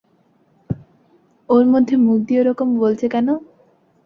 ওর মধ্যে মুখ দিয়ে ওরকম বলচে কেন?